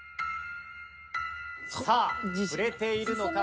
さあふれているのか？